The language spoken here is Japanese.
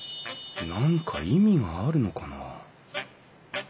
何か意味があるのかな？